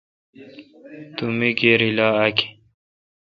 تو می کیر الا اک۔